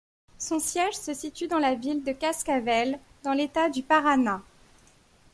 Son siège se situe dans la ville de Cascavel, dans l'État du Paraná.